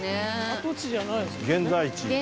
跡地じゃないですもんね。